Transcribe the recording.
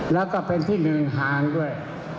แล้วก็เป็นที่หนึ่งห่างด้วย